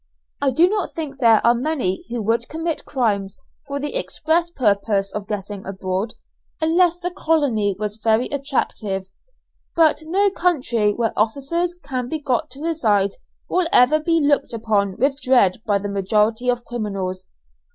I do not think there are many who would commit crimes for the express purpose of getting abroad, unless the colony was very attractive; but no country where officers can be got to reside will ever be looked upon with dread by the majority of criminals.